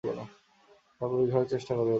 খারাপ রোগী হওয়ার চেষ্টা করবে, করবে তো?